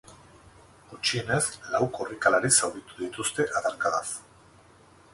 Gutxienez lau korrikalari zauritu dituzte adarkadaz.